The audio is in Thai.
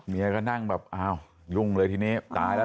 เมียก็นั่งแบบอ้าวยุ่งเลยทีนี้ตายแล้ว